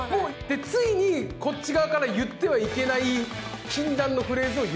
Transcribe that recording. でついにこっち側から言ってはいけない禁断のフレーズを言ってしまうんです。